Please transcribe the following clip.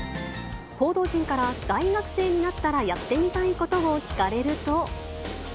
報道陣から大学生になったらやってみたいことを聞かれると。